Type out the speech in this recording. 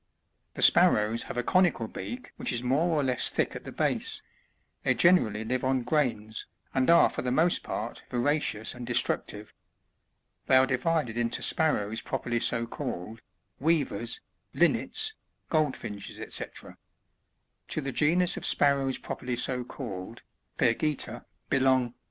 68. The Sparrows have a conical beak which is more or less thick at the base ; they generally live on grains, and are for the most part voracious and destructive. They are divided into Sparrows properly so called, Weavers, Linnets, Groldfinches, &c. To the ^enus of Sparrows properly so called, — Pyrgita, — belong : 59.